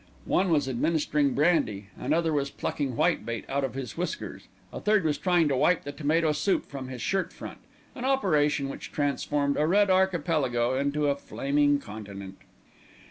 One was administering brandy, another was plucking whitebait out of his whiskers, a third was trying to wipe the tomato soup from his shirt front, an operation which transformed a red archipelago into a flaming continent.